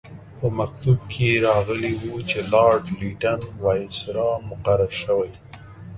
په مکتوب کې راغلي وو چې لارډ لیټن وایسرا مقرر شوی.